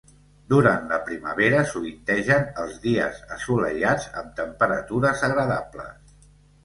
Durant la primavera sovintegen els dies assolellats amb temperatures agradables.